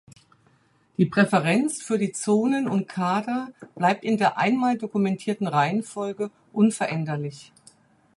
Die Präferenz für die Zonen und Kader bleibt in der einmal dokumentierten Reihenfolge unveränderlich.